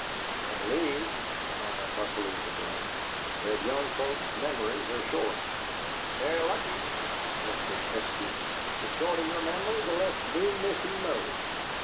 "I believe," Squire Buckalew began, "that young folks' memories are short." "They're lucky!" interjected Eskew. "The shorter your memory the less meanness you know."